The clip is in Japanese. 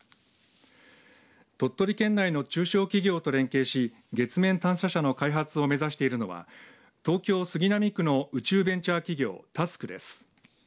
鳥取県内の中小企業と連携し月面探査車の開発を目指しているのは東京杉並区の宇宙ベンチャー企業たすくです。